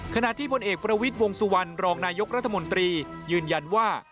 ขณะที่พลเอกประวิทย์วงสุวรรณรองนายกรัฐมนตรียืนยันว่า